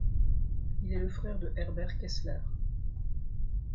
Il est le frère de Herbert Kessler.